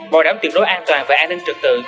bảo đảm tiềm đối an toàn và an ninh trực tự